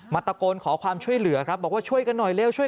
ตะโกนขอความช่วยเหลือครับบอกว่าช่วยกันหน่อยเร็วช่วย